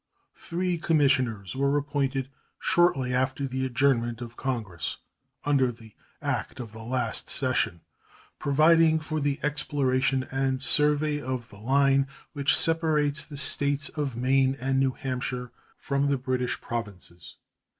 Three commissioners were appointed shortly after the adjournment of Congress under the act of the last session providing for the exploration and survey of the line which separates the States of Maine and New Hampshire from the British Provinces.